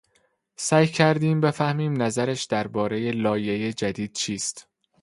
سعی کردیم بفهمیم نظرش دربارهی لایحهی جدید چیست.